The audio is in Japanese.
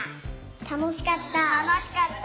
たのしかった。